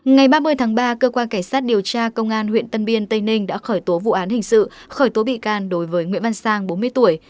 ngày ba mươi tháng ba cơ quan cảnh sát điều tra công an huyện tân biên tây ninh đã khởi tố vụ án hình sự khởi tố bị can đối với nguyễn văn sang bốn mươi tuổi